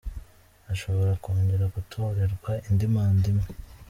Ashobora kongera gutorerwa indi manda imwe”.